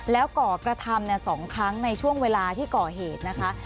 แล้วก่อกระทำ๒ครั้งในช่วงเวลาที่ก่อเหตุนะคะ